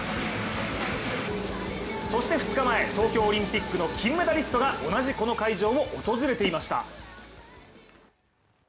そして２日前、東京オリンピックの金メダリストが同じこの会場を訪れていました。